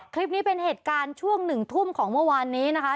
คลิปนี้เป็นเหตุการณ์ช่วงหนึ่งทุ่มของเมื่อวานนี้นะคะ